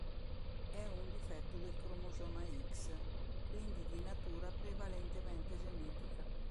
È un difetto del cromosoma X, quindi di natura prevalentemente genetica.